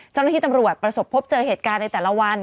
เจ้าหน้าที่ตำรวจประสบพบเจอเหตุการณ์ในแต่ละวัน